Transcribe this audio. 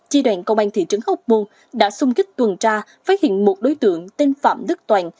chi đoàn công an thị trấn hốc môn đã xung kích tuần tra phát hiện một đối tượng tên phạm đức toàn